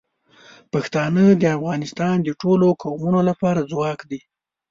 پښتانه د افغانستان د ټولو قومونو لپاره ځواک دي.